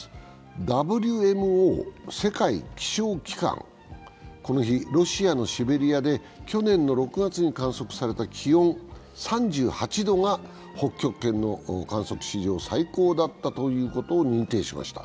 ＷＭＯ＝世界気象機関、この日、ロシアのシベリアで去年の６月に観測された気温３８度が北極圏の観測史上最高だったということを認定しました。